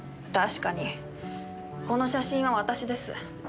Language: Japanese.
確かにこの写真は私です。